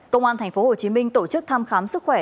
công an tp hcm tổ chức thăm khám sức khỏe